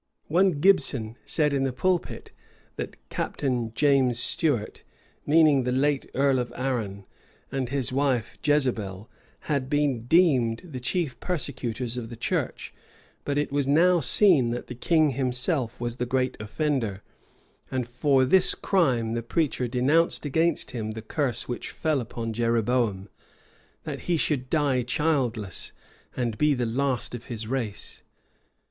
One Gibson said in the pulpit that Captain James Stuart (meaning the late earl of Arran) and his wife, Jezebel, had been deemed the chief persecutors of the church; but it was now seen that the king himself was the great offender; and for this crime the preacher denounced against him the curse which fell on Jeroboam, that he should die childless, and be the last of his race.